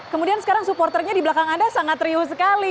kemudian sekarang supporternya di belakang anda sangat riuh sekali